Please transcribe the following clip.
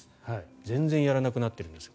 全然やらなくなってるんです。